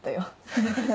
ハハハハ。